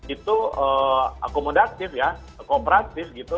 itu akomodatif ya kooperatif gitu